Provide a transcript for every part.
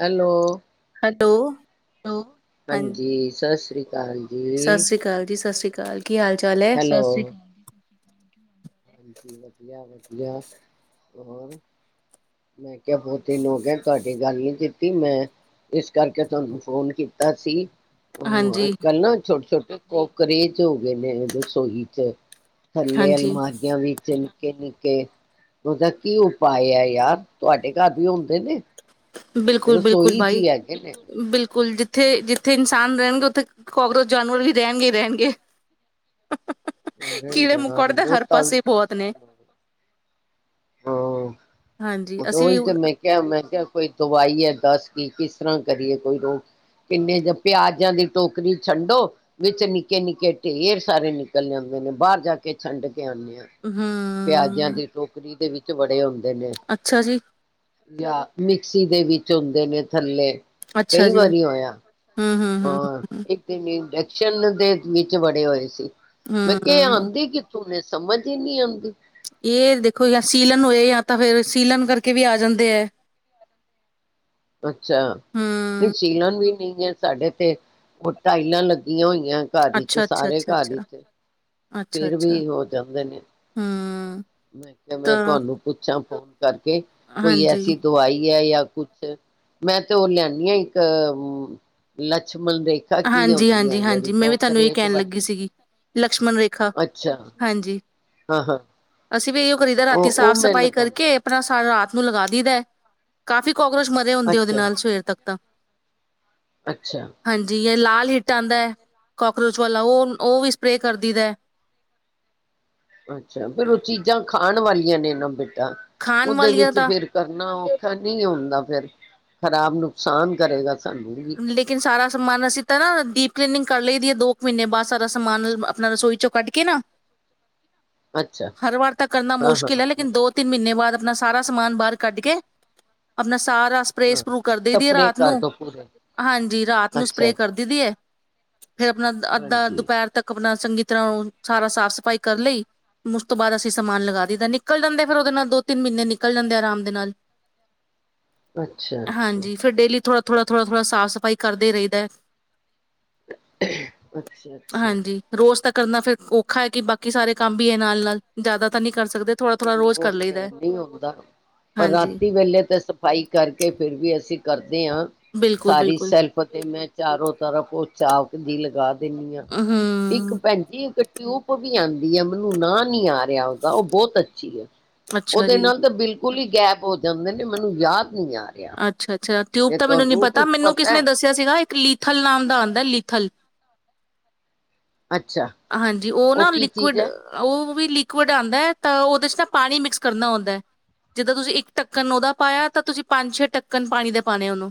Hello hello ਹਾਂ ਹਾਂਜੀ ਸਤਿ ਸ੍ਰੀ ਅਕਾਲ ਜੀ ਕਾਲ ਕੀ ਹਾਲ ਚਾਲ ਹੈ ਹੈਲੋ, ਹਾਂਜੀ ਵਧੀਆ ਵਧੀਆ ਹੋਰ ਮੈਂ ਕਿਹਾ ਬਹੁਤ ਦਿਨ ਹੋ ਗਏ ਤੁਹਾਡੀ ਗੱਲ ਨੀ ਕੀਤੀ ਮੈਂ ਇਸ ਕਰਕੇ ਤੁਹਾਨੂੰ ਫੋਨ ਕੀਤਾ ਸੀ ਓਹ ਅਜ ਹਾਂਜੀ ਕਲ ਨਾ ਛੋਟੇ ਛੋਟੇ ਕੋਕਰੇਚ ਹੋ ਗਏ ਨੇ ਰਸੋਈ ਚ ਥੱਲੇ ਹਾਂਜੀ ਅਲਮਾਰੀ ਨੀਚੇ ਨਿੱਕੇ ਨਿੱਕੇ ਉਹਦਾ ਕੀ ਉਪਾਅ ਹੈ ਯਾਰ ਤੁਹਾਡੇ ਘਰ ਵੀ ਹੁੰਦੇ ਨੇ ਬਿਲਕੁਲ ਬਿਲਕੁਲ ਰਸੋਈ ਚ ਬਾਈ ਹੀ ਹੈਗੇ ਨੇ। ਬਿਲਕੁਲ ਜਿੱਥੇ ਜਿੱਥੇ ਇਨਸਾਨ ਰਹਿਣਗੇ ਉੱਥੇ ਕਾਕਰੋਚ ਜਾਨਵਰ ਵੀ ਰਹਿਣਗੇ ਹੀ ਰਹਿਣਗੇ। ਅਰੇ ਕੀੜੇ ਯਾਰ ਮਕੌੜੇ ਤਾਂ ਬਹੁਤ ਹਰ ਤੰਗ ਪਾਸੇ ਬਹੁਤ ਨੇ ਪਰੇਸ਼ਾਨ ਹਾ। ਹੋਰ ਹਾਂਜੀ ਅਸੀਂ ਓਦੋ ਵੀ ਹੀ ਤੇ ਮੈਂ ਕਿਹਾ ਮੈਂ ਕਿਹਾ ਕੋਈ ਦਵਾਈ ਹੈ ਦੱਸ ਕੀ ਕਿਸ ਤਰ੍ਹਾਂ ਕਰੀਏ ਕੋਈ ਰੋਕ ਕਿੰਨੇ ਜ ਪਿਆਜਾਂ ਦੀ ਟੋਕਰੀ ਛੰਡੋ ਵਿੱਚ ਨਿੱਕੇ ਨਿੱਕੇ ਢੇਰ ਸਾਰੇ ਨਿਕਲ ਜਾਂਦੇ ਨੇ ਬਾਹਰ ਜਾ ਕੇ ਛੰਡ ਕੇ ਆਣੀ ਆ। ਪਿਆਜਾਂ ਹਮ ਦੀ ਟੋਕਰੀ ਦੇ ਵਿੱਚ ਪਏ ਹੁੰਦੇ ਨੇ, ਅੱਛਾ ਜੀ ਯਾਂ ਮਿਕਸੀ ਦੇ ਵਿੱਚ ਹੁੰਦੇ ਨੇ ਥੱਲੇ ਅੱਛਾ ਕਈ ਜੀ ਵਾਰੀ ਹੋਇਆ ਹਮ ਹਮ ਔਰ ਹਮ ਇੱਕ ਦਿਨ ਇੱਕ ਛੈਲ ਦੇ ਨੀਚੇ ਵੜੇ ਹੋਏ ਸੀ। ਮੈਂ ਕਿਹਾ ਹਮ ਆਦੇ ਕਿੱਥੋਂ ਨੇ ਸਮਝ ਹੀ ਨਹੀਂ ਆਦੀ। ਇਹ ਦੇਖੋ ਜਾਂ ਸੀਲਨ ਹੋਏ ਜਾਂ ਤਾਂ ਫਿਰ ਸੀਲਨ ਕਰਕੇ ਵੀ ਆ ਜਾਂਦੇ ਹੈ। ਅੱਛਾ ਹਮ ਨਹੀਂ ਸੀਲਨ ਵੀ ਨਹੀਂ ਹੈ ਸਾਡੇ ਤੇ ਉਹ ਟਾਈਲਾਂ ਲੱਗੀਆਂ ਹੋਈਆਂ। ਘਰ ਅੱਛਾ ਚ ਅੱਛਾ ਸਾਰੇ ਅੱਛਾ ਘਰ ਅੱਛਾ ਚ ਅੱਛਾ ਫਿਰ ਅੱਛਾ ਵੀ ਹੋ ਜਾਂਦੇ ਨੇ। ਹਮ ਮੈਂ ਕਿਹਾ ਮੈਂ ਤਾਂ ਤੁਹਾਨੂੰ ਪੁੱਛਾਂ ਫੋਨ ਕਰਕੇ ਕੋਈ ਐਸੀ ਹਾਂਜੀ, ਦਵਾਈ ਜਾਂ ਕੁਛ ਮੈਂ ਤੇ ਉਹ ਲਿਆਦੀ ਹਾਂ। ਇੱਕ ਲੱਛ ਮਣ ਰੇਖਾ ਕੀ ਹਾਂਜੀ, ਹੁੰਦੀ ਹੈ, ਹਾਂਜੀ, ਜਿਹੜੀ ਹਾਂਜੀ ਮੈਂ ਵੀ ਤੁਹਾਨੂੰ ਇਹ ਕੋਕਰੇਚ ਕਹਿਣ ਲੱਗੀ ਵਾਲੀ ਸੀਗੀ। ਲਕਸ਼ਮਣ ਰੇਖਾ। ਅੱਛਾ ਹਾਂਜੀ, ਹਾਂ ਹਾਂ ਅਸੀਂ ਵੀ ਇਹਉ- ਕਰੀ ਦਾ। ਰਾਤੀ ਉਹ ਉਹ ਮੈਂ ਸਾਫ਼-ਸਫ਼ਾਈ ਕਰਕੇ ਲਗਾਉਦੀ ਆਪਣਾ ਸਾਰਾ ਰਾਤ ਆਪ ਨੂੰ ਲਗਾ ਦਈ ਦਾ ਕਾਫੀ- ਕਾਕਰੋਚ ਮਰੇ ਹੁੰਦੇ। ਉਹਦੇ ਅੱਛਾ ਨਾਲ ਸਵੇਰ ਤੱਕ ਤਾਂ। ਅੱਛਾ। ਜੀ ਯਾ ਲਾਲ ਹਿੱਟ ਆਦਾ ਹੈ। ਕਕਰੋਚ ਵਾਲਾ ਉਹ-ਉਹ ਵੀ ਸਪਰੇਅ ਕਰ ਦਈਦਾ ਐ। ਅੱਛਾ, ਫਿਰ ਉਹ ਚੀਜ਼ਾਂ- ਖਾਣ ਵਾਲੀਆਂ ਨੇ, ਨਾਂ ਬੇ ਟਾ ਖਾਣ ਉਹਦੇ ਵਾਲੀਆਂ ਵਿੱਚ ਦਾ ਫਿਰ ਕਰਨਾ, ਉਹ- ਨਹੀਂ ਹੁੰਦਾ, ਫਿਰ ਖਰਾਬ, ਨੁਕਸਾਨ ਕਰੇਗਾ। ਸਾਨੂੰ ਵੀ ਲੇਕਿਨ, ਸਾਰਾ ਸਮਾਨ ਅਸੀਂ ਤਾਂ ਨਾ ਡੀਪ- ਕਲੀਨਿੰਗ ਕਰ ਲਈ ਦੀ ਹੈ। ਦੋ ਕੁ ਮਹੀਨੇ ਬਾਅਦ ਸਾਰਾ ਸਮਾਨ ਆਪਣਾ ਰਸੋਈ ਚੋਂ ਕੱਢ ਕੇ ਨਾ, ਅੱਛਾ ਹਰ ਵਾਰ ਤਾਂ ਕਰਨਾ ਹਾਂ ਹਾਂ ਮੁਸ਼ਕਿਲ ਹੈ, ਹਾਂ ਲੇਕਿਨ ਦੋ, ਤਿੰਨ ਮਹੀਨੇ ਬਾਅਦ ਆਪਣਾ- ਸਾਰਾ ਸਮਾਨ ਬਾਹਰ ਕੱਢ ਕੇ, ਆਪਣਾ- ਸਾਰਾ ਹਾਂ ਸਪਰੇ-ਸਪਰੂ ਕਰ ਦੇ ਦੀ ਹੈ ਸਪਰੇ ਰਾਤ ਕਰ ਨੂੰ। ਦੋ ਪੂਰੇ ਹਾਂਜੀ। ਰਾਤ ਨੂੰ ਅੱਛਾ ਸਪਰੇਅ ਅੱਛਾ ਕਰਦੀ ਦੀ ਹੈ, ਫਿਰ ਆਪਣਾ ਅੱਧਾ ਹਾਂਜੀ ਦੁਪਹਿਰ ਤੱਕ ਆਪਣਾ- ਚੰਗੀ ਤਰ੍ਹਾਂ ਸਾਰਾ ਸਾਫ਼ ਸਫ਼ਾਈ ਕਰ ਲਈ। ਉਸ ਤੋਂ ਬਾਅਦ ਅਸੀਂ ਸਮਾਨ ਲਗਾ ਦਿੱਤਾ। ਨਿਕਲ ਜਾਂਦੇ ਫਿਰ ਉਹਦੇ ਨਾਲ ਦੋ, ਤਿੰਨ ਮਹੀਨੇ ਨਿਕਲ ਜਾਂਦੇ, ਆਰਾਮ ਦੇ ਨਾਲ। ਅੱਛਾ ਅੱਛਾ ਹਾਂਜੀ, ਫਿਰ ਡੇਲੀ ਥੋੜਾ- ਥੋੜ੍ਹਾ-ਥੋੜ੍ਹਾ ਸਾਫ਼-ਸਫ਼ਾਈ ਕਰਦੇ ਰਹੀ ਦਾ ਹੈ। ਅੱਛਾ ਅੱਛਾ ਹਾਂਜੀ। ਰੋਜ਼ ਤੱਕ- ਕਰਨਾ ਫੇਰ ਔਖਾ ਹੈ ਕਿ ਬਾਕੀ ਸਾਰੇ ਕੰਮ ਵੀ ਹੈ। ਨਾਲ- ਨਾਲ ਜ਼ਿਆਦਾ ਤਾਂ ਨਹੀਂ, ਕਰ ਸਕਦੇ ਥੋੜਾ ਥੋੜਾ ਰੋਜ਼ ਉਹ ਕਰ ਤੇ ਲਈਦਾ ਇਹ ਹੈ। ਨਹੀਂ ਹੁੰਦਾ, ਪਰ ਹਾਂਜੀ ਰਾਤੀ ਵੇਲੇ ਤੇ ਸਫ਼ਾਈ ਕਰਕੇ ਫਿਰ ਵੀ ਅਸੀਂ- ਕਰਦੇ ਬਿਲਕੁਲ ਸਾਰੀ ਬਿਲਕੁਲ ਸੈਲਫ ਤੇ, ਮੈਂ ਚਾਰੋ ਤਰਫ ਉਹ ਪੋਚਾ- ਦੀ ਲਗਾ ਦਿਨੀ ਆ। ਇੱਕ ਹਮ ਭੈਣ ਜੀ ਇਕ- ਟਿਊਬ ਵੀ ਆਂਦੀ ਐ ਮੈਨੂੰ ਨਾਂਹ ਨੀ ਆ ਰਿਹਾ ਉਹਦਾ ਉਹ ਬਹੁ ਅੱਛਾ ਉਹਦੇ ਜੀ ਨਾਲ ਤਾਂ ਬਿਲਕ ਕੁਲ ਹੀ ਗੈਬ ਹੋ ਜਾਂਦੇ ਨੇ ਮੈਨੂੰ ਯਾਦ ਨਹੀਂ ਆ ਰਿਹਾ। ਅੱਛਾ ਅੱਛਾ ਟਿਊਬ ਜੇ ਤਾਂ ਮੈਨੂੰ ਨੀ ਤੁਹਾਨੂੰ ਪਤਾ ਕੁਛ ਮੈਨੂੰ ਕਿਸੇ ਨੇ ਐ ਦੱਸਿਆ ਸੀਗਾ ਇੱਕ ਲੀਥਲ ਨਾਮ ਦਾ ਆਂਦਾ ਲਿਥਲ ਅੱਛਾ ਹਾਂਜੀ, ਉਹ ਨਾ ਕੀ ਚੀਜ਼ ਲਿਕੁਿਡ ਐ? ਉਹ ਲਿਕੁਿਡ ਆਂਦਾ ਤਾਂ ਉਹਦੇ ਚ ਨਾ ਪਾਣੀ ਮਿਕਸ ਕਰਨਾ ਹੁੰਦਾ ਹੈ ਜਿੱਦਾਂ ਤੁਸੀਂ ਇੱਕ ਟੱ ਕਣ ਉਹਦਾ ਪਾਇਆ ਤਾਂ ਅੱਛਾ ਤੁਸੀਂ ਪੰਜ ਛੇ ਢੱਕਣ ਪਾਣੀ ਦੇ ਪਾਣੇ ਆ ਉਹਨੂੰ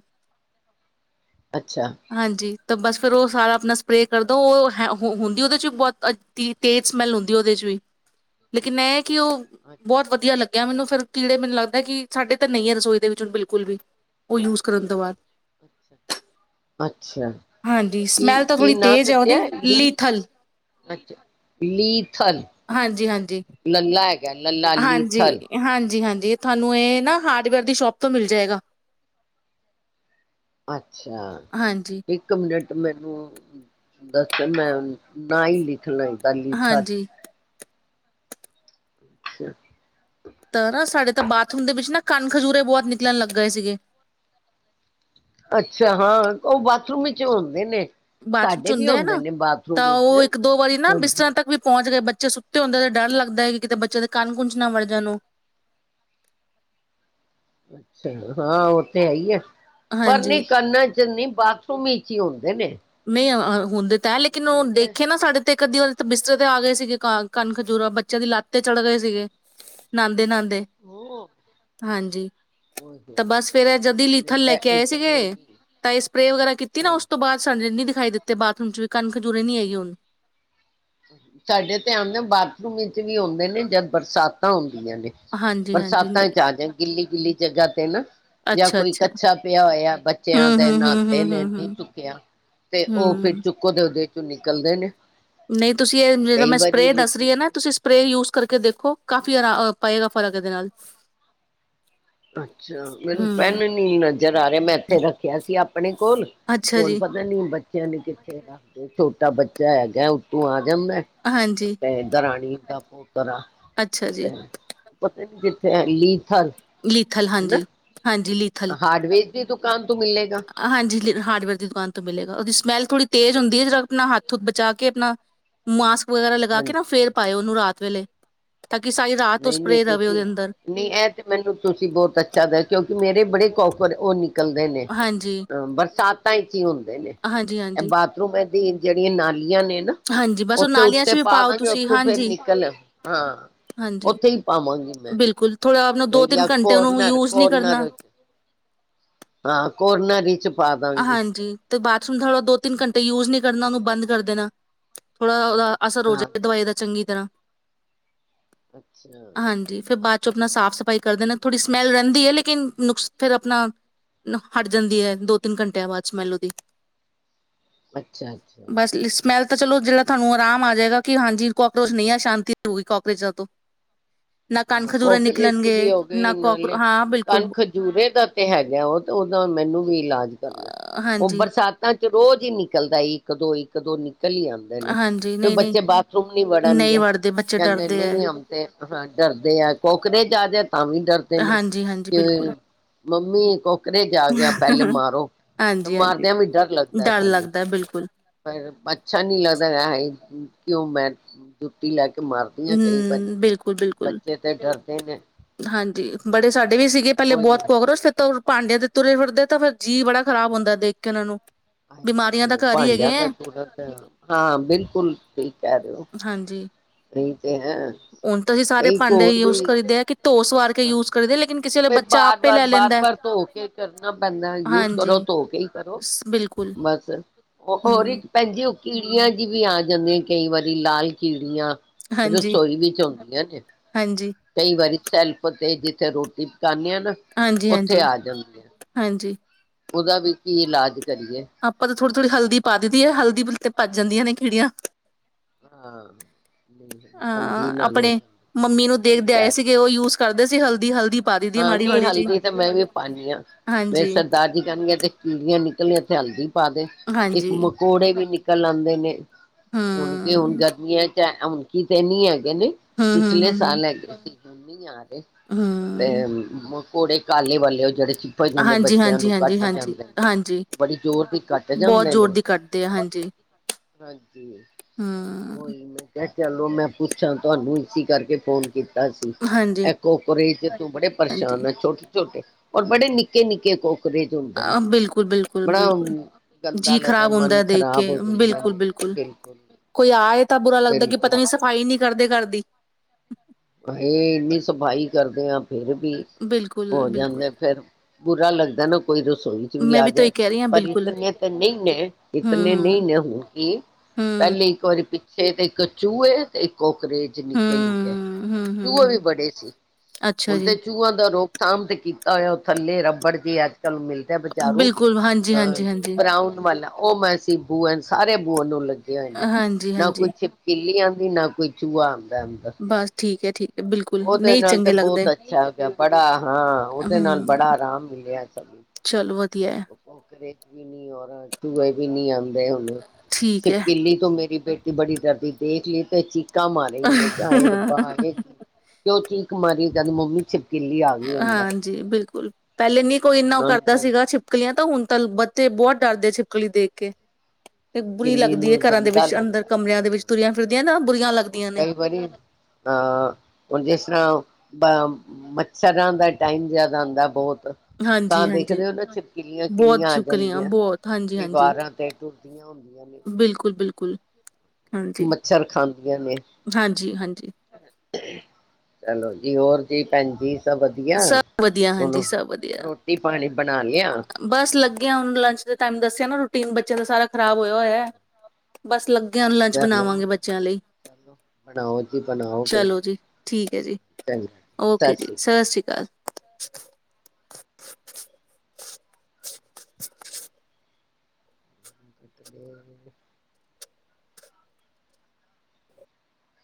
ਅੱਛਾ ਹਾਂਜੀ ਤਾਂ ਬਸ ਫੇਰ ਉਹ ਸਾਰਾ ਆਪਣਾ ਸਪਰੇਅ ਕਰਦੋ ਉਹ ਹੁੰਦੀ ਉਹਦੇ ਬਹੁਤ ਅੱਧੀ ਤੇਜ਼ ਸਮੈਲ ਹੁੰਦੀ ਉਹਦੇ ਚ ਵੀ ਲੇਕਿਨ ਇਹ ਕਿ ਉਹ ਬਹੁਤ ਵਧੀਆ ਲੱਗਦਾ ਮੈਨੂੰ ਫਿਰ ਕੀੜੇ ਮੈਨੂੰ ਲੱਗਦਾ ਕਿ ਸਾਡੇ ਤਾਂ ਨਹੀਂ ਹੈ ਰਸੋਈ ਦੇ ਵਿੱਚ ਹੁਣ ਬਿਲਕੁਲ ਵੀ ਉਹ ਯੂਜ ਕਰਨ ਤੋਂ ਬਾਅਦ ਅੱਛਾ ਹਾਂਜੀ ਕੀ ਸਮੈਲ ਤਾਂ ਕੀ ਥੋੜ੍ਹੀ ਤੇਜ਼ ਹੈ ਉਹਦੀ ਲੀਥਲ [unintelligible] ਥਲ ਹਾਂਜੀ ਹਾਂਜੀ ਲਲਾ ਹੈਗਾ ਲਲਾ ਲੀਥਲ ਜੀ ਤੁਹਾਨੂੰ ਇਹ ਨਾ ਹਾਰਡਵੇਅਰ ਦੀ ਸ਼ੋਪ ਤੋਂ ਮਿਲ ਜਾਏਗਾ। ਅੱਛਾ ਹਾਂਜੀ, ਇੱਕ ਮਿੰਟ ਮੈਨੂੰ ਦੱਸਣ ਮੈਂ ਨਾ ਹੀ ਲਿਖਣਾ ਦੱਲ ਹਾਂਜੀ ਖੱਸ [unintelligible] ਅੱਛਾ। ਤਾਂ ਨਾ ਸਾਡੇ ਤਾਂ ਬਾਥਰੂਮ ਦੇ ਵਿੱਚ ਨਾ ਕੰਨ ਖਜੂਰੇ ਬਹੁਤ ਨਿਕਲਣ ਲੱਗ ਗਏ ਸੀਗੇ ਅੱਛਾ ਹਾਂ ਉਹ ਬਾਥਰੂਮ ਵਿੱਚ ਹੁੰਦੇ ਨੇ। ਬਾਥਰੂਮ ਚ ਸਾਡੇ ਵੀ ਹੁੰਦੇ ਹੈ ਨਾ ਨੇ ਬਾਥਰੂਮ ਤਾਂ ਵਿੱਚ ਉਹ ਇੱਕ ਦੋ ਵਾਰੀ ਨਾ ਹਾਂਜੀ ਬਿਸਤਰਾਂ ਤੱਕ ਵੀ ਪਹੁੰਚ ਗਏ ਬ ਬੱਚੇ ਸੁੱਤੇ ਹੁੰਦੇ ਤੇ ਡਰ ਲੱਗਦਾ ਹੈ ਕਿ ਕਿਤੇ ਬੱਚੇ ਦੇ ਕੰਨ ਕੁੁੰਨ ਚ ਨਾ ਵਾੜ ਜਾਣ। ਅੱਛਾ ਹਾਂ ਉੱਥੇ ਹੈ ਹੀ ਆ। ਪਰ ਨਹੀਂੀ ਹਾਂਜੀ [unintelligible] ਕਰਨਾ ਚਨੀ ਬਾਕੀ ਤਂ ਕੀਉਂ [unintelligible] ਨਹੀਂ ਹੁੰਦੇ ਲੇਕਿਨ ਉਹ ਮੈਂ ਤੇ ਦੇਖੇ ਨਾ ਸਾਡੇ ਤੇ ਕਦੀ ਬਿਸਤਰ ਤੇ ਆ ਗਏ ਸੀਗੇ ਕਨ ਖਜੂਰੇ ਬੱਚਿਆਂ ਦੀ ਲੱਤ ਤੇ ਚੜ੍ਹ ਗਏ ਸੀਗੇ ਨਹਾਦੇ ਨਹਾਦੇ ਉਹ ਹਾਂਜੀ ਤੇ ਬਸ ਫੇਰ ਜਦ ਹੀ ਲੀਥਲ ਲੈ ਕੇ ਆਏ ਸੀਗੇ ਇਤਨੇ ਵੀ ਤਾਂ ਇਹ ਸਪਰੇ ਵਗੈਰਾ ਕੀਤੀ ਨਾ ਹਾਂ ਉਸ ਤੋਂ ਬਾਅਦ ਨਹੀਂ ਦਿਖਾਈ ਦਿੱਤੇ ਬਾਥਰੂਮ ਚ ਵੀ ਕਣ ਖਜੂਰੇ ਨਹੀਂ ਹੈਗੀ ਹੁਣ ਸਾਡੇ ਤੇ ਆਉਂਦੇ ਬਾਥਰੂਮ ਵਿੱਚ ਵੀ ਹੁੰਦੇ ਨੇ ਜਦ ਬਰਸਾਤਾਂ ਹੁੰ ਨੇ ਹਾਂਜੀ ਬਰਸਾਤਾਂ ਹਾਂਜੀ ਚ ਆ ਜਾ ਗਿੱਲੀ [unintelligible] ਗਿੱਲੀ ਜਗ੍ਹਾ ਤੇ ਨਾ ਜਾਂ ਕੋਈ ਅੱਛਾ-ਅੱਛਾ, ਕੱਛਾ ਪਿਆ ਹੋਇਆ ਹੂੰ-ਹੂੰ-ਹੂੰ-ਹੂੰ-ਹੂੰ, ਹੂੰ। ਬੱਚਿਆਂ ਹੂੰ ਦੇ ਹੂੰ ਨਹਾਤੇ ਹੂੰ ਨੇ ਹੂੰ ਨਹੀਂ ਹੂੰ ਚੁੱਕਿਆ ਤੇ ਉਹ ਫਿਰ ਹੂੰ ਚੁੱਕੋ ਦੇ ਉਹਦੇ ਨਿਕਲਦੇ ਨੇ ਨਹੀਂ ਤੁਸੀਂ ਇਹ ਜਿਹੜਾ ਕਈ ਮੈਂ ਵਾਰੀ ਸਪਰੇਅ ਦੱਸ ਰਹੀ ਹੈ ਨਿਕਲੇ ਨਾ ਨੇ। ਤੁਸੀਂ ਸਪਰੇ ਯੂ ਕਰਕੇ ਦੇਖੋ ਕਾਫ਼ੀ ਆਰਾ ਪਏਗਾ ਫ਼ਰਕ ਇਹਦੇ ਨਾਲ ਅੱਛਾ ਮੈਨੂੰ ਪੈਨ ਹੂੰ, ਨੀ ਨਜ਼ਰ ਆ ਰਿਹਾ ਮੈਂ ਇੱਥੇ ਰੱਖਿਆ ਸੀ ਆਪਣੇ ਕੋਲ ਅੱਛਾ ਹੌਣ ਜੀ, ਪਤਾ ਨੀ ਬ [unintelligible] ਬੱਚਿਆਂ ਨੀ ਕਿੱਥੇ ਆ ਛੋਟਾ ਬੱਚਾ ਹੈਗਾ ਕੈ ਉੱ ਤੋਂ ਆ ਜਾਂਦਾਦਾੈਂ ਹਾਂਜੀ, ਕ ਇੱਦਰਣੀ [unintelligible] ਡਪੋ ਅੱਛਾ ਜੀ, [unintelligible] [unintelligible] ਜਿੱਥੇ ਲੀ ਥੱਲ [inaudible] ਲੀਥਲ ਹਾਂਜੀ -ਹਾਂਜੀ, ਲੀਥਲ ਹਾਰਡਵੇਅਰ ਦੀ ਦੁਕਾਨ ਤੋਂ ਮਿਲੇਗਾ ਹਾਂਜੀ ਹਾਰਡਵੇਅਰ ਦੀ ਦੁਕਾਨ ਤੋਂ ਮਿਲੇਗਾ, ਉਹਦੀ ਮੇਲ ਕੁੜੀ ਤੇਜ਼ ਹੁੰਦੀ ਹੈ, ਜ ਅੱਛਾ ਆਪਣਾ ਹੱਥ ਹੁੱਥ ਬਚਾ ਕੇ ਆਪਣਾ ਮਾਸ ਵਗੈਰਾ ਲਗਾ ਕੇ ਨਾ, ਹਾਂਜੀ ਫੇਰ ਪਾਏ ਉਹਨੂੰ ਰਾਤ ਵਲੇ ਤਾਂ ਕਿ ਸਾਰੀ ਰਾਤ ਤੋਂ ਨਹੀਂ ਨਹੀਂ ਸਪਰੇਅ ਰਵੇ ਉਹਦੇ ਤੁਸੀਂ ਅੰਦਰ ਨਹੀਂ ਇਹ ਤੇ ਮੈਨੂੰ ਤੁਸੀਂ ਬਹੁਤ ਅੱਛਾ ਕਿਉਂਕਿ, ਮੇਰੇ ਬੜੇ ਕੌਕਰ ਉਹ ਨਿਕਲ ਨਿਕਲਦੇ ਨੇ ਹਾਂਜੀ, ਅ ਬਰਸਾਤ [unintelligible] ਹੁੰਦੇ ਨੇ ਇਹ ਹਾਂਜੀ-ਹਾਂਜੀ, ਬਾਥਰੂਮ ਤੇ ਜਿਹੜੀਆਂ ਨਾਲੀ ਨੇ ਨਾ, ਹਾਂਜੀ ਹਾਂਜੀ ਬਸ ਉਹ ਉੱਥੇ ਨਾਲੀਆਂ 'ਚ ਉੱਤੇੇ ਵੀ ਪਾ ਪਾਓ ਦਾਂਗੇ ਤੁਸੀਂ ਉੱਥੋਂ ਫਿਰ ਹਾਂਜੀ, ਨਿਕਲ ਹਾਂ ਉੱਥੇ ਹੀ ਪਾਵਾਂਗੀ ਮੈਂ ਬਿਲਕੁਲ ਥੋੜਾ ਆਪ ਨੂੰ ਦੋ ਤਿੰਨ ਜਾਂ ਘੰਟੇ ਓਨੂੰ, ਕੋਰਨਰ ਯੂਜ ਨਹੀਂ ਕੋਰਨਰ ਕਰਨਾ। ਕੋਰਨਾਰੀ ਪਾ ਦਾਂਗੇ ਹਾਂਜੀ ਤੇ ਬਾਥਰੂਮ ਦਾ ਥੋੜਾ ਦੋ ਤਿੰਨ ਘੰਟੇ ਯੂਜ ਨੀ ਕਰਨਾ, ਉਹਨੂੰ ਬੰਦ ਕਰ ਦੇਨਾ ਥੋੜਾ ਉਹਦਾ ਅਸਰ ਹਾਂ ਹੋਜਏ ਦਵਾਈ ਦਾ ਚੰਗੀ ਤਰ੍ਹਾਂ ਅੱਛਾ [inaudible] ਹਾਂਜੀ ਫਿਰ ਬਾਅਦ ਆਪਣਾ ਸਾਫ਼ ਸਫ਼ਾਈ ਕਰਦੇ ਨੇ, ਥੋੜ੍ਹੀ ਸਮੇਲ ਰਹਿੰਦੀ ਏ, ਲੇਕਿਨ ਨੁਕਸ ਫੇਰ ਆਪਣਾ ਹਟ ਜਾਂਦੀ ਹੈ ਦੋ ਤਿੰਨ ਘੰਟਿਆਂ ਬਾਅਦ ਚ ਸਮੇਲ ਉਹਦੀ ਅੱਛਾ ਅੱਛਾ ਬਸ ਸਮੈਲ ਤਾਂ ਚਲੋ ਜਿਹੜਾ, ਤੁਹਾਨੂੰ ਆਰਾਮ ਆ ਜਾਏਗਾ। ਕਿ ਹਾਂਜੀ, ਕਾਕਰੋਚ ਨਹੀਂ ਆ ਸ਼ਾਂਤੀ ਹੋਗੀ ਕਾਕਰੋਚਾਂ ਤੋਂ ਨਾ ਕੰਨ ਖਜੂਰੇ ਕੋਕਰੇ ਚ ਵੀ ਨਿਕਲਣਗੇ ਹੋ ਗਏ ਨਾ ਕੋਕ ਨਾਲੇ, ਹਾਂ ਕੰਨ ਬਿਲਕੁਲ ਖਜੂਰੇ ਦਾ ਤੇ ਹੈਗਾ ਉਹ ਤੇ ਉਹਦਾ ਮੈਨੂੰ ਵੀ ਇਲਾਜ ਕਰਨਾ ਉਹ ਹਾਂਜੀ ਬਰਸਾਤਾਂ ਚ ਰੋਜ਼ ਹੀ ਨਿਕਲਦਾ ਇੱਕ ਦੋ, ਇੱਕ ਦੋ ਨਿਕਲ ਚਲੀ ਆਉਂਦੇ ਨੇ, ਹਾਂਜੀ ਫਿਰ ਨਹੀਂ ਨਹੀਂ ਬੱਚੇ ਬਾਥਰੂਮ ਨੀ ਨਹੀਂ ਵੜਨਗੇ, ਵੜਦੇ ਬੱਚੇ ਕਹਿੰਦੇ ਡਰਦੇ ਹੈ ਨਹੀਂ ਆਉਂਦੇ ਹਾਂ ਕੋਕਰੇ ਆ ਜਾਏ ਤਾਂ ਵੀ ਡਰਦੇ ਨੇ ਹਾਂਜੀ, ਹਾਂਜੀ ਕਿ ਬਿਲਕੁਲ। ਮੰਮੀ ਕੋਕਰੇ ਆ ਗਿਆ, ਪਹਿਲੇ ਮਾਰੋ ਤੇ ਹਾਂਜੀ, ਹਾਂਜੀ ਮਾਰਦਿਆਂ ਵੀ ਡਰ ਲੱਗਦਾ ਹੈ। ਡਰ ਸਾਨੂੰ ਲੱਗਦਾ ਹੈ, ਬਿਲਕੁਲ। ਪਰ ਅੱਛਾ ਨੀ ਲੱਗਦਾ ਕਿਉਂ ਮੈਂ ਜੁੱਤੀ ਲੈ ਕੇ ਮਾਰਦੀ ਹਾਂ ਕਈ ਵਾਰੀ ਹਮ ਬਿਲਕੁਲ ਬਿਲਕੁਲ ਬੱਚੇ ਤੇ ਡਰਦੇ ਨੇ ਹਾਂਜੀ ਬੜੇ ਸਾਡੇ ਵੀ ਸੀਗੇ ਪਹਿਲੇ ਉਹੀ ਬਹੁਤ ਹਾਏ ਕਾਕਰੋਚ ਉਤੋਂ ਭਾਂਡਿਆਂ ਤੇ ਤੁਰੇ ਫਿਰਦੇ ਤੇ ਫਿਰ ਜੀਅ ਬੜਾ ਖਰਾਬ ਹੁੰਦਾ ਦੇਖ ਕੇ ਉਹਨਾਂ ਨੂੰ ਬਿਮਾਰੀਆਂ ਦਾ ਘਰ ਹੀ ਹੈਗੇ ਭਾਂਡਿਆਂ ਐ। ਦਾ ਪੂਰਾ ਹਾਂ ਬਿਲਕੁਲ ਠੀਕ ਕਹਿ ਰਹੇ ਹੋ ਹਾਂਜੀ, ਠੀਕ ਹੁਣ ਤਾਂ ਅਸੀਂ ਸਾਰੇ ਭਾਂਡੇ ਯੂਜ ਵੀ ਕਰੀਦੇ ਆ ਕਿ ਧੋਸ ਵਾਰ ਕੇ ਯੂਜ ਕਰੀਦੇ ਲ਼ੇਕਿਨ ਫ ਬਾਰ ਬਾਰ ਬਾਰ ਬਾਰ ਧੋ ਕੇ ਕਰਨਾ ਪੈਂਦਾ ਯੂਜ ਕਰੋ ਹਾਂਜੀ, ਧੋ ਕੇ ਹੀ ਕਰੋ ਸ- ਬਿਲਕੁਲ ਬਸ ਹੋਰ ਹੂੰ, ਪੈਜੀ ਕੀੜੀਆਂ ਜੀ ਵੀ ਆ ਜਾਂਦੀਆਂ ਕਈ ਵਾਰੀ ਲਾਲ ਕੀੜੀਆਂ ਹਾਂਜੀ, ਰਸੋਈ ਵਿੱਚ ਆਉਦੀ ਜੇ ਹਾਂਜੀ, ਕਈ ਵਾਰੀ ਸੈਲ ਤੇ ਜਿੱਥੇ ਰੋਟੀ ਪਕਾਨੇ ਆ ਨਾ ਹਾਂਜੀ, ਉੱਥੇ ਹਾਂਜੀ, ਆ ਜਾਂਦੇ ਆ ਹਾਂਜੀ ਉਹਦਾ ਵੀ ਕੀ ਇਲਾਜ ਆਪਾਂ ਥੋੜੀ-ਥੋੜੀ ਹਲਦੀ ਪਾ ਦੇਈਂ ਦੀ ਹੈ ਹਲਦੀ ਭੱਜ ਜਾਂਦੀਆਂ ਨੇ ਕਿੜੀਆਂ ਹਾਂ ਹਲਦੀ ਹਾਂ ਨਾਲ ਹੋ ਆਪਣੇ ਜਾਂਦਾ ਮੰਮੀ ਨੂੰ ਦੇਖਦੇ ਠੀਕ ਆਏ ਹੈ ਸੀਗੇ ਉਹ ਯੂਜ ਕਰਦੇ ਸੀ ਹਲਦੀ ਹਲਦੀ ਪਾ ਦੀ ਦੀ ਹਾਂ ਮਾੜੀ ਨੀ ਮਾੜੀ ਜੀ ਹਲਦੀ ਤੇ ਮੈਂ ਵੀ ਪਾਣੀ ਆ ਹਾਂ ਮੇਰੇ ਹਾਂਜੀ ਸਰਦਾਰ ਜੀ ਕੇਣਗੇ ਐਥੈ ਕੀੜੀਆਂ ਨ [unintelligible] ਪਾ ਦੇ ਇੱਕ ਹਾਂਜੀ ਮਕੌੜੇ ਵੀ ਨੀ ਲਾਉਂਦੇ ਨੇ। ਹੂੰ ਹੁਣ ਕਿ ਹੁਣ ਗਰਮੀ ਹੈਂ। ਅੱਛਾ ਹੁਣ ਕੀ ਕਹਿਣੀ ਹੈ। ਕਹਿੰਦੇ ਹੂੰ ਹੂੰ ਪਿਛਲੇ ਹੂੰ ਹੂੰ ਸਾਲ ਹੈਗੇ ਸੀ। ਮੰਮੀ ਯਾਰ। ਇੱਕ। ਤੇ ਹੂੰ ਹੁਣ। ਘੋੜੇ ਕਾਲੇ ਵਾਲੇ ਉਹ ਜਿਹੜੇ। ਭਜਨ ਹਾਂਜੀ ਬੱਚਿਆਂ ਹਾਂਜੀ ਨੂੰ ਹਾਂਜੀ ਕੱਟ ਹਾਂਜੀ ਜਾਂਦੇ ਨੇ ਹਾਂਜੀ ਉਹ ਬੜੀ ਜ਼ੋਰ ਦੀ ਘੱਟ ਬਹੁਤ ਜਾਂਦੇ ਜ਼ੋਰ ਨੇ ਦੀ ਕੱਟਦੇ ਆ ਹਾਂਜੀ ਹਾਂਜੀ ਹੂੰ ਉਹੀ ਮੈਂ ਕਿਹਾ ਚੱਲ। ਉਹ ਮੈਂ ਪੁੱਛਾਂ ਤੁਹਾਨੂੰ ਇਸੀ ਕਰਕੇ ਫੋਨ ਕੀਤਾ। ਕੀਤਾ ਸੀ ਹਾਂਜੀ ਐ ਕੋਕਰਚ। ਤੋਂ ਬੜੇ ਹਾਂਜੀ ਪਰੇਸ਼ਾਨ ਹੈ ਛੋਟੇ। ਛੋਟੇ ਔਰ ਬੜੇ ਨਿੱਕੇ ਨਿੱਕੇ ਕੋ। ਆ ਬਿਲਕੁਲ ਬਿਲਕੁਲ ਬਿਲਕੁਲ ਗੰਦਾ ਜੀਅ ਲੱਗਦਾ ਖ਼ਰਾਬ ਹੁੰਦਾ ਮਨ ਐ ਦੇਖ ਕੇ ਖ਼ਰਾਬ ਹੋ ਜਾਂਦਾ ਬਿਲਕੁਲ ਬਿਲਕੁਲ। ਕੋਈ ਆਏ ਤਾਂ ਬੁਰਾ ਲੱਗਦਾ ਕਿ ਬਿਲਕੁਲ ਪਤਾ ਨੀ ਸਫ਼ਾਈ ਨਹੀਂ ਕਰਦੇ ਘਰਦੀ। ਹਾਏ ਇਨੀ ਸਫ਼ਾਈ ਕਰਦੇ ਹਾਂ। ਫਿਰ ਵੀ ਬਿਲਕੁਲ ਹੋ ਬਿਲਕੁਲ ਜਾਂਦੇ ਫਿਰ। ਬੁਰਾ ਲੱਗਦਾ ਨਾ। ਕੋਈ ਰਸੋਈ ਚ ਵੀ ਮੈਂ ਆ ਤਾਂ ਜਾਏ ਇਹੀ ਕਹਿ ਰਹੀ ਹਾਂ ਪਰ ਬਿਲਕੁਲ ਇਤਨੇ ਤੇ ਨਹੀਂ ਨੇ ਹੂੰ ਇਤਨੇ ਨਹੀਂ ਹੂੰ ਨੇ। ਹੁਣ ਕਿ ਹੂੰ ਪਹਿਲੇ ਇੱਕ ਵਾਰੀ ਛੇ ਤੇ ਇੱਕ ਚੂਹੇ ਤੇ ਇੱਕ ਉਹ। ਅੰਗਰੇਜ਼ ਹੂੰ, ਨਿੱਕੇ-ਨਿੱਕੇ। ਹੂੰ, ਹੂੰ, ਚੂਹੇ ਵੀ ਹੂੰ, ਬੜੇ ਸੀ। ਅੱਛਾ ਹੁਣ ਤੇ ਜੀ, ਚੂਹਾਂ ਦਾ ਰੋਕਥਾਮ ਤੇ ਕੀ ਤਾਇਆ ਥੱਲੇ ਰੱਬੜ ਦੀ ਅੱਜ ਮਿਲਦਾ ਬਜ਼ਾਰੂ ਬਿਲਕੁਲ ਹਾਂਜੀ, ਅਹ ਹਾਂਜੀ, ਹਾਂਜੀ, ਬਰਾਊਨ ਵਾਲਾ ਉਹ ਮੈਂ ਸੀਬੂ ਐ। ਸਾਰੇ ਬੋਲਣ ਲੱ ਲੱਗੇ ਹੋਏ ਨੇ। ਹਾਂਜੀ, ਨਾ ਕੋਈ ਹਾਂਜੀ, ਛਿਪਕਲੀ ਆਉਂਦੀ ਨਾ ਕੋਈ ਚੂਹਾ ਆਉਂਦਾ ਐ ਅੰਦਰ। ਬਸ ਠੀਕ ਹੈ, ਠੀਕ ਹੈ, ਬਿਲਕੁਲ ਉਹਦੇ ਨਹੀਂ ਨਾਲ ਤੇ ਚੰਗੇ ਲੱਗਦੇ ਬਹੁਤ ਅੱਛਾ ਹੋ ਗਿਆ। ਬੜਾ ਹਾਂ ਉਹਦੇ ਨਾਲ ਹੂੰ, ਬੜਾ ਆਰਾਮ ਮਿਲਿਆ ਸਾਨੂੰ। ਚਲੋ ਵਧੀਆ ਹੈ, ਉਹ ਕੋਕਰਚ ਵੀ ਨਹੀਂ ਔਰ ਚੂਹੇ ਵੀ ਨੀ ਆਂਦੇ। ਦੇ ਉਹਨੂੰ ਠੀਕ ਹੈ। ਛਿਪਕਲੀ ਤੋਂ ਮੇਰੀ ਬੇਟੀ ਬੜੀ ਡਰਦੀ ਦੇਖ ਲਈ ਤੇ ਚੀਕ ਚੀਕਾਂ ਮਾਰੇਗੀ। ਮੈਂ ਕਿਹਾ ਆਏ ਰੱਬਾ ਆਏ ਕਿਉਂ ਚੀਕ ਮਾਰੀ। ਜਦ ਮੂਵੀ ਚ ਹਾਂਜੀ ਬਿਲਕੁਲ ਪਹਿਲੇ ਨਹੀਂ ਕੋਈ ਉਹ ਇੰਨਾ ਉਹਨਾਂ ਨੂੰ ਕਰਦਾ ਫਿਰ ਸੀਗਾ ਛਿਪ ਕਲੀਆਂ ਤਾਂ ਹੁਣ ਤਾਂ ਬੱਚੇ ਬਹੁਤ ਡਰਦੇ ਆ ਛਿਪਕਲੀ ਦੇਖ ਕੇ। ਬੁਰੀ ਛਿਪਕਲੀ ਲੱਗਦੀ ਐ। ਨੂੰ ਘਰਾਂ ਦੇ ਗੰਦਾ ਵਿੱਚ ਅੰਦਰ ਲੱਗਦਾ ਕਮਰਿਆਂ ਦੇ ਵਿੱਚ ਹਾਂ ਤੁਰੀਆਂ ਫਿਰਦੀਆਂ ਨਾ ਬੁਰੀਆਂ ਲੱਗਦੀਆਂ ਨੇ ਕਈ ਵਾਰੀ ਅਹ ਹੁਣ ਜਿਸ ਤਰ੍ਹਾਂ ਬ ਮੱਛਰਾਂ ਦਾ ਟਾਈਮ ਯਾਦ ਆਉਂਦਾ ਬਹੁਤ। ਤਾਂ ਹਾਂਜੀ, ਹਾਂਜੀ, ਦੇਖਦੇ ਹੋ ਨਾ ਛਿਪਕਲੀਆਂ ਬਹੁਤ ਕਿੰਨੀਆਂ ਆ ਛਿਪਕਲੀਆਂ ਜਾਂਦੀਆਂ ਬਹੁਤ ਹਾਂਜੀ, ਹਾਂਜੀ, ਦੀਵਾਰਾਂ ਤੇ ਟੁੁਰਦੀਆਂ ਹੁੰਦੀਆਂ ਨੇ। ਬਿਲਕੁਲ, ਬਿਲਕੁਲ, ਹਾਂਜੀ, ਮੱਛਰ ਖਾਂਦੀਆਂ ਨੇ। ਹਾਂਜੀ, ਹਾਂਜੀ। ਚਲੋ ਜੀ ਹੋਰ ਜੀ ਭੈਣਜੀ? ਸਭ ਵਧੀਆ ਹਾਂਜੀ ਸਭ ਵਧੀਆ ਰੋਟੀ ਪਾਣੀ ਬਣਾ ਲਿਆ ਬਸ ਲੱਗੇ ਆ। ਹੁਣ ਲੰਚ ਦੇ ਟਾਈਮ ਦੱਸਿਆ ਨਾ ਰੋਟੀ ਤਿੰਨ ਬੱਚਿਆਂ ਦਾ ਸਾਰਾ ਖਰਾਬ ਹੋਇਆ ਹੋਇਆ ਐ। ਬਸ ਲੱਗੀ ਲੰਚ ਚਲੋ ਬਣਾਵਾਂਗੇ ਬੱਚਿਆਂ ਲਈ। ਚਲੋ ਬਣਾਓ ਜੀ ਬਣਾਓ ਫਿਰ ਚਲੋ ਜੀ, ਠੀਕ ਐ ਜੀ ਚੰਗਾ ਓਕੇ ਜੀ, ਸ਼੍ਰੀ ਸਤਿ ਸ਼੍ਰੀ [inaudible] [inaudible] [inaudible]